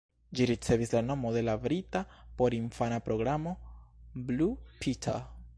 Ĝi ricevis la nomon de la brita porinfana programo Blue Peter.